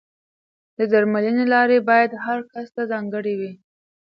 د درملنې لارې باید هر کس ته ځانګړې وي.